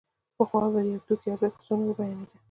پخوا به د یو توکي ارزښت په څو نورو بیانېده